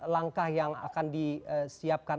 langkah yang akan disiapkan